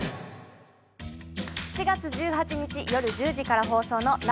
７月１８日夜１０時から放送の「ＬＩＦＥ！夏」。